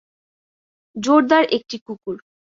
জোরদার একটি কুকুর।